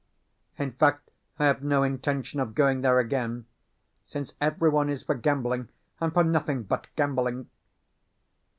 In fact, I have no intention of going there again, since every one is for gambling, and for nothing but gambling.